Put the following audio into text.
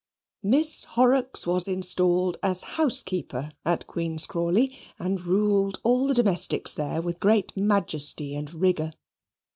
Miss Horrocks was installed as housekeeper at Queen's Crawley, and ruled all the domestics there with great majesty and rigour.